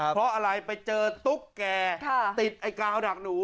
เพราะอะไรไปเจอตุ๊กแก่ติดไอ้กาวดักหนู